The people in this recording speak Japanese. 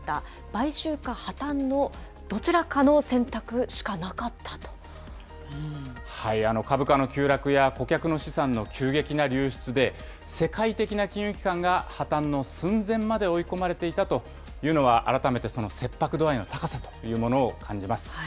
買収か破綻のどちらかの選択しか株価の急落や顧客の資産の急激な流出で、世界的な金融機関が破綻の寸前まで追い込まれていたというのは、改めてその切迫度合いの高さというものを感じます。